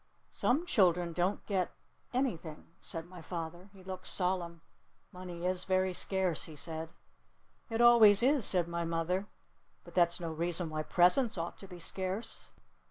"Some children don't get anything," said my father. He looked solemn. "Money is very scarce," he said. "It always is," said my mother. "But that's no reason why presents ought to be scarce."